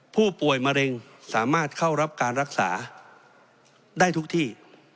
ผู้ป่วยมะเร็งสามารถเข้ารับการรักษาได้ทุกที่